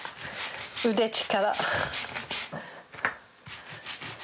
腕力。